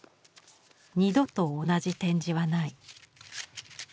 二度と同じ展示はない。